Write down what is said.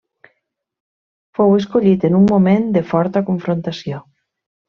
Fou escollit en un moment de forta confrontació.